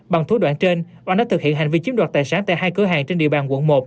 bằng thủ đoạn trên oanh đã thực hiện hành vi chiếm đoạt tài sản tại hai cửa hàng trên địa bàn quận một